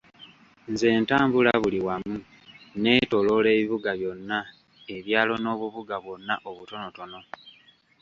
Nze ntambula buli wamu; neetooloola ebibuga byonna, ebyalo n'obubuga bwonna obutonotono.